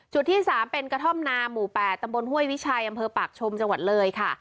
ที่๓เป็นกระท่อมนาหมู่๘ตำบลห้วยวิชัยอำเภอปากชมจังหวัดเลยค่ะ